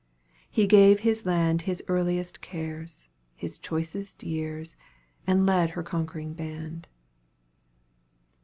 He gave his land His earliest cares, his choicest years, And led her conquering band.